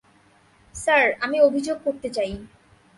Sir, আমি অভিযোগ করতে চাই।